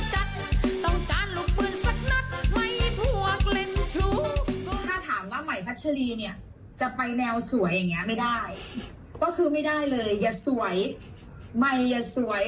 ก็ดูว่าหมายพัชรีเนี่ยจะไปแนวสวยแบบเนี่ยไม่ได้